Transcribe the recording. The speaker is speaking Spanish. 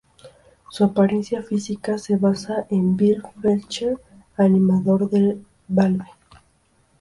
Su apariencia física se basa en Bill Fletcher, animador de Valve.